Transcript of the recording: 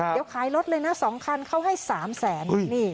เดี๋ยวขายรถเลยนะ๒คันเขาให้๓แสน